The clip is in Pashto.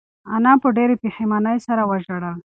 انا په ډېرې پښېمانۍ سره وژړل.